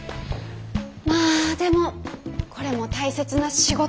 まあでもこれも大切な仕事ですよね。